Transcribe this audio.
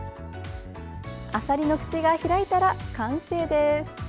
あさりの口が開いたら完成です。